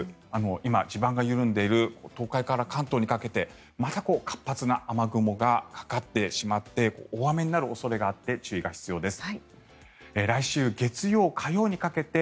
今、地盤が緩んでいる東海から関東にかけてまた活発な雨雲がかかってしまって大雨になる恐れがあって注意が必要です。